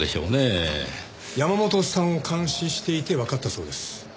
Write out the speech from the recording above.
山本さんを監視していてわかったそうです。